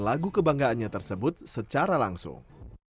lagu kebanggaannya tersebut secara langsung